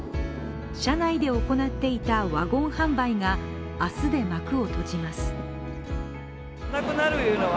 車内で行っていたワゴン販売が明日で幕を閉じます。